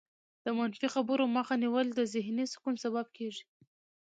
د منفي خبرو مخه نیول د ذهني سکون سبب کېږي.